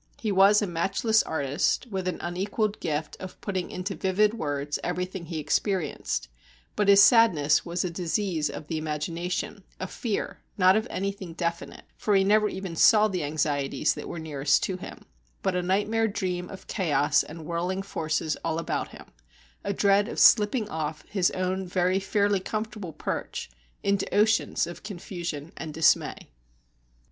He was a matchless artist, with an unequalled gift of putting into vivid words everything he experienced; but his sadness was a disease of the imagination, a fear, not of anything definite for he never even saw the anxieties that were nearest to him but a nightmare dream of chaos and whirling forces all about him, a dread of slipping off his own very fairly comfortable perch into oceans of confusion and dismay.